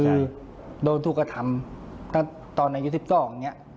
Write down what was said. คือโดนถูกกระทำก็ตอนอายุ๑๙อย่างนี้